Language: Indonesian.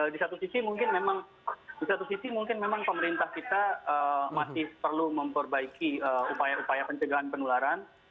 di satu sisi mungkin memang pemerintah kita masih perlu memperbaiki upaya upaya pencegahan penularan